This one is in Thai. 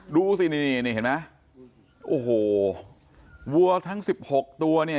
ดูสินี่นี่เห็นไหมโอ้โหวัวทั้งสิบหกตัวเนี่ย